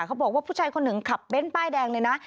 เขาบอกว่าผู้ชายคนหนึ่งขับเบ้นป้ายแดงเลยนะ